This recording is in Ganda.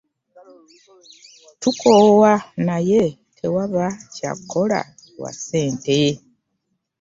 Tukoowa naye tewaba kyakukola lwa ssente.